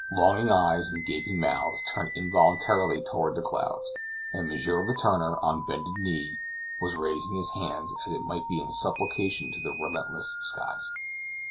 Longing eyes and gasping mouths turned involuntarily toward the clouds, and M. Letourneur, on bended knee, was raising his hands, as it might be in supplication to the relentless skies.